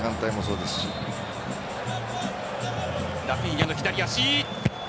ラフィーナの左足。